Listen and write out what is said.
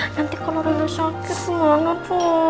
nanti kalau rena sakit mau ngepung